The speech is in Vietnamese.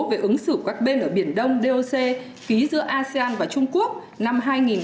về ứng xử các bên ở biển đông doc ký giữa asean và trung quốc năm hai nghìn hai mươi